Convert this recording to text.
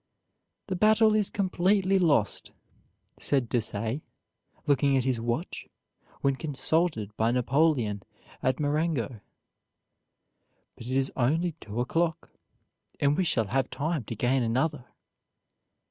"The battle is completely lost," said Desaix, looking at his watch, when consulted by Napoleon at Marengo; "but it is only two o'clock, and we shall have time to gain another."